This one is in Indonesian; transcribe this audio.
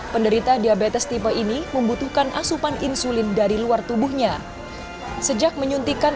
penderita diabetes tipe ini membutuhkan asupan insulin dari luar tubuhnya sejak menyuntikkan